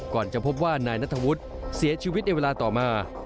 ก่อนจะพบว่านายนัทวุฒิเสียชีวิตในเวลาต่อมา